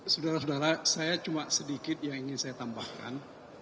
saudara saudara saya cuma sedikit yang ingin saya tambahkan